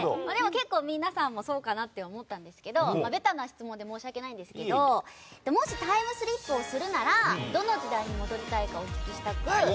皆さんもそうかなと思ったんですがベタな質問で申し訳ないんですけどもしタイムスリップをするならどの時代に戻りたいかお聞きしたくて。